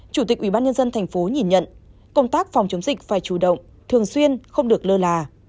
chủ tịch ubnd tp nhìn nhận công tác phòng chống dịch phải chủ động thường xuyên không được lơ là